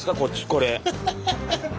これ。